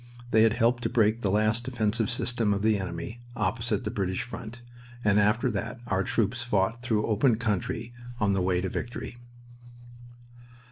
They had helped to break the last defensive system of the enemy opposite the British front, and after that our troops fought through open country on the way to victory.